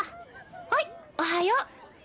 はいおはよう。